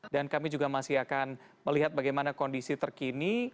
dan kami juga masih akan melihat bagaimana kondisi terkini